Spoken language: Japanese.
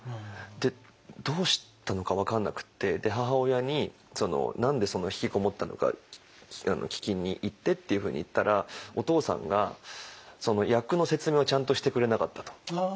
でどうしたのか分かんなくって母親に「何でそんな引きこもったのか聞きにいって」っていうふうに言ったら「お父さんが役の説明をちゃんとしてくれなかった」と。